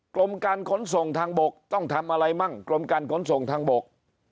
กรมการขนส่งทางบกต้องทำอะไรมั่งกรมการขนส่งทางบก